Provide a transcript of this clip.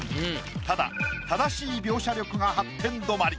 ただ正しい描写力が８点止まり。